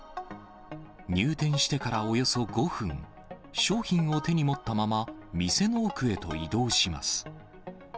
入店してからおよそ５分、商品を手に持ったまま、店の奥へと移動します。